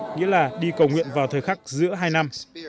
nghĩa là đi cầu nguyện vào thời khắc giữa hai năm